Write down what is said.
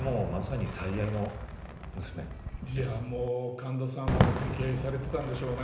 神田さんは溺愛されていたんでしょうね。